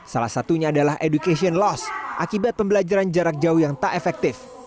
salah satunya adalah education loss akibat pembelajaran jarak jauh yang tak efektif